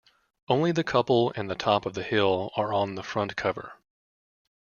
Only the couple and the top of the hill are on the front cover.